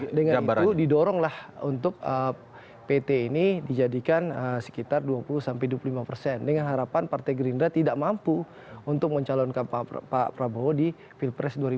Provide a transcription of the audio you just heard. nah dengan itu didoronglah untuk pt ini dijadikan sekitar dua puluh dua puluh lima persen dengan harapan partai gerindra tidak mampu untuk mencalonkan pak prabowo di pilpres dua ribu dua puluh